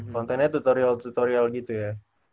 kontennya tutorial tutorial gitu ya